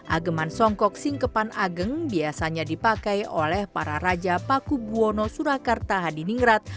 ageman songkok singkepan ageng biasanya dipakai oleh para raja paku buwono surakarta hadiningrat